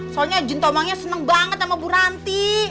soalnya jin tomangnya senang banget sama bu ranti